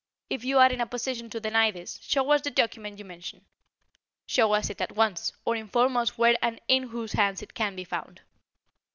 If you are in a position to deny this, show us the document you mention; show us it at once, or inform us where and in whose hands it can be found."